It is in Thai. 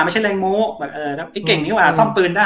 ไม่ใช่แรงโม้เก่งนี่ว่ะส่อมปืนได้